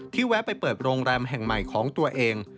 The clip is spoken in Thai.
แวะไปเปิดโรงแรมแห่งใหม่ของตัวเอง